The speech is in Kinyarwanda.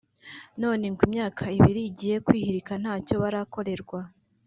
none ngo imyaka ibiri igiye kwihirika ntacyo barakorerwa